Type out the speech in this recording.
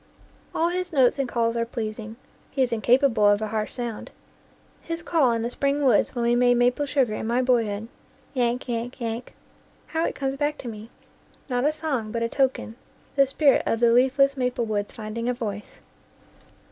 All his notes and calls are pleasing; he is incapable of a harsh sound. His call in the spring woods when we made maple sugar in my boy hood "yank, yank, yank" how it comes back to me! Not a song, but a token the spirit of the leafless maple woods finding a voice.